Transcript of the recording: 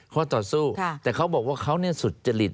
ข้อต่อสู้แต่เขาบอกว่าเขาสุจริต